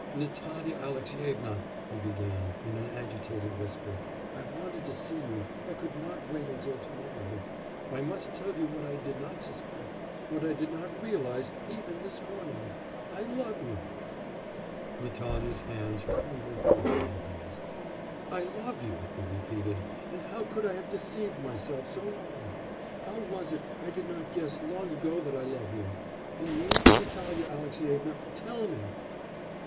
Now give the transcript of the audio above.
'Natalya Alexyevna!' he began, in an agitated whisper, 'I wanted to see you.... I could not wait till to morrow. I must tell you what I did not suspect what I did not realise even this morning. I love you!' Natalya's hands trembled feebly in his. 'I love you!' he repeated, 'and how could I have deceived myself so long? How was it I did not guess long ago that I love you? And you? Natalya Alexyevna, tell me!